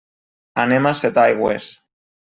Anem a Setaigües.